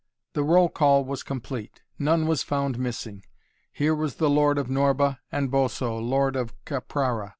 The roll call was complete. None was found missing. Here was the Lord of Norba and Boso, Lord of Caprara.